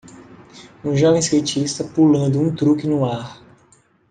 um jovem skatista pulando um truque no ar.